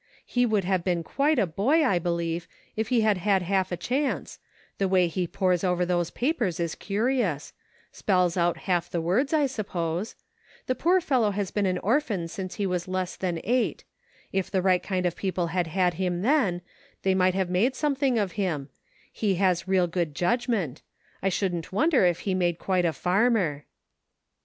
He would have been quite a boy, I be lieve, if he had had half a chance ; the way he pores over those papers is curious ; spells out half the words, I suppose ; the poor fellow has been an orphan since he was less than eight ; if the right kind of people had had him then, they might have made something of him ; he has real good judg ment ; I shouldn't wonder if he made quite a farmer."